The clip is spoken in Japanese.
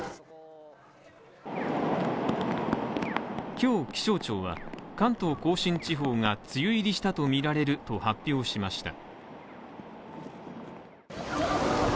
今日、気象庁は関東甲信地方が梅雨入りしたとみられると発表しました。